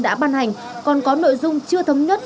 đã ban hành còn có nội dung chưa thống nhất